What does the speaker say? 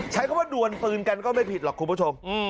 ใช้คำว่าดวนปืนกันก็ไม่ผิดหรอกคุณผู้ชม